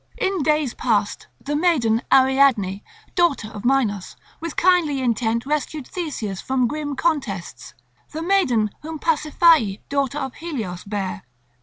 In days past the maiden Ariadne, daughter of Minos, with kindly intent rescued Theseus from grim contests—the maiden whom Pasiphae daughter of Helios bare.